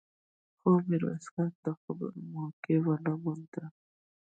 خو ميرويس خان د خبرو موقع ونه مونده.